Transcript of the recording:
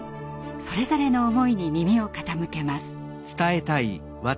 それぞれの思いに耳を傾けます。